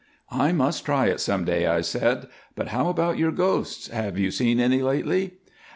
'" "I must try it someday," I said, "but how about your ghosts? Have you seen any lately?"